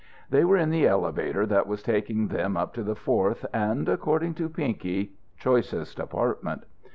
They were in the elevator that was taking them up to the fourth and (according to Pinky) choicest apartment.